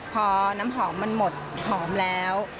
พอน้ำหอมมันหมดหอมแล้ว